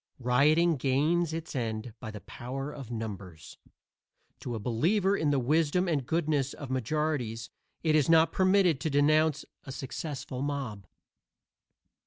Rioting gains its end by the power of numbers. To a believer in the wisdom and goodness of majorities it is not permitted to denounce a successful mob.